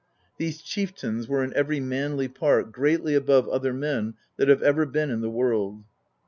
These chieftains were in every manly part greatly above other men that have ever been in the world.